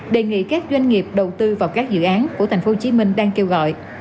đề nghị các doanh nghiệp đầu tư vào các dự án của tp hcm đang kêu gọi